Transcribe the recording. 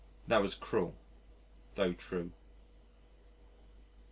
That was cruel tho' true.